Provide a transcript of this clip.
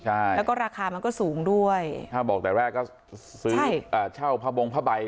ใช่แล้วก็ราคามันก็สูงด้วยถ้าบอกแต่แรกก็ซื้ออ่าเช่าผ้าบงผ้าใบ